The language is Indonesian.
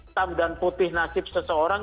hitam dan putih nasib seseorang